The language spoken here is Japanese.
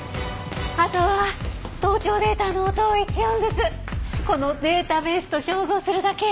あとは盗聴データの音を１音ずつこのデータベースと照合するだけよ。